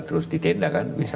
harus di kongles